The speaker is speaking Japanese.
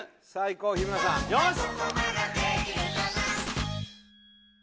こう日村さんよし！